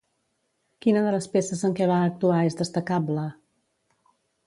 Quina de les peces en què va actuar és destacable?